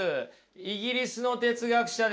イギリスの哲学者ですよ。